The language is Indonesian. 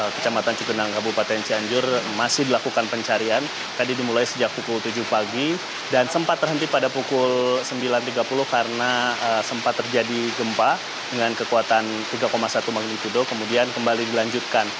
kecamatan cugenang kabupaten cianjur masih dilakukan pencarian tadi dimulai sejak pukul tujuh pagi dan sempat terhenti pada pukul sembilan tiga puluh karena sempat terjadi gempa dengan kekuatan tiga satu magnitudo kemudian kembali dilanjutkan